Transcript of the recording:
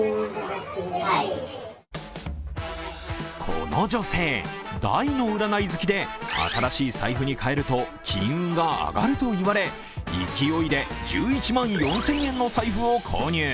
この女性、大の占い好きで新しい財布にかえると金運が上がると言われ、勢いで１１万４０００円の財布を購入。